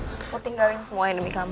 aku tinggalkan semua ini demi kamu